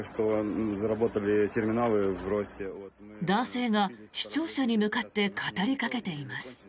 男性が視聴者に向かって語りかけています。